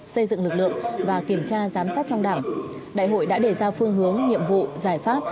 xây dựng lực lượng và kiểm tra giám sát trong đảng đại hội đã đề ra phương hướng nhiệm vụ giải pháp